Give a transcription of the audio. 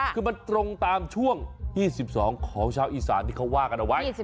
คือมันตรงตามช่วงที่๑๒ของชาวอีสานที่เขาว่ากันเอาไว้